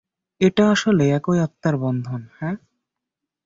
এটা আসলে একই আত্মার বন্ধন -হ্যাঁ।